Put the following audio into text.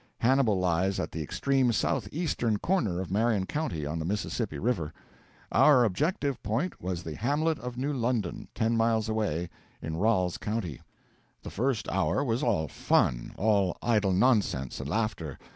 Hannibal lies at the extreme south eastern corner of Marion County, on the Mississippi River; our objective point was the hamlet of New London, ten miles away, in Ralls County. The first hour was all fun, all idle nonsense and laughter.